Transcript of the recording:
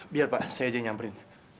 biar pak saya aja yang nyamperin